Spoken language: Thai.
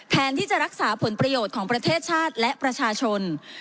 แทนที่จะรักษาผลประโยชน์ของประเทศชาติและประชาชน